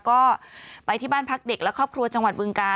ก็ไปที่บ้านพักเด็กและครอบครัวจังหวัดบึงกา